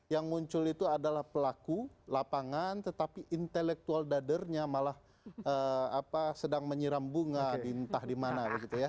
yang muncul itu adalah pelaku lapangan tetapi intelektual dadernya malah sedang menyiram bunga di entah di mana